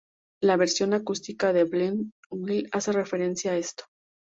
La versión acústica de Bleed Well hace referencia a esto.